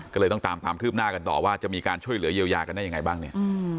ก็เลยต้องตามความคืบหน้ากันต่อว่าจะมีการช่วยเหลือเยียวยากันได้ยังไงบ้างเนี่ย